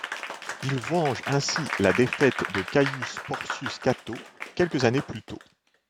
Il venge ainsi la défaite de Caius Porcius Cato quelques années plus tôt.